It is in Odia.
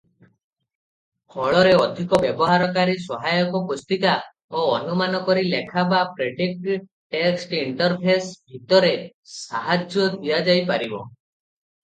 ଫଳରେ ଅଧିକ ବ୍ୟବହାରକାରୀ ସହାୟକ ପୁସ୍ତିକା ଓ ଅନୁମାନ କରି ଲେଖା ବା ପ୍ରେଡିକ୍ଟିଭ ଟେକ୍ସଟ ଇଣ୍ଟରଫେସ ଭିତରେ ସାହାଯ୍ୟ ଦିଆଯାଇପାରିବ ।